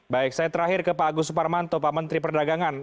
baik saya terakhir ke pak agus suparmanto pak menteri perdagangan